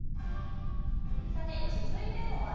さて続いての技。